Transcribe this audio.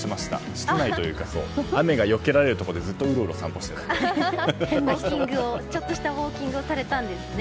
室内というか雨がよけられるところでちょっとしたウォーキングをされたんですね。